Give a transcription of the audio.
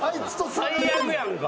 最悪やんか。